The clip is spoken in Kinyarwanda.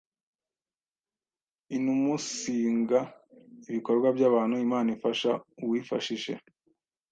inumunsinga ibikorwa by’abantu Imana ifasha uwifashishe